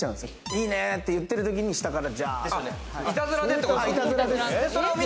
いいねって言ってるときに、下からジャって。